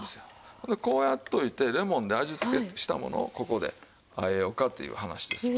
こうやっておいてレモンで味つけしたものをここであえようかという話ですよ。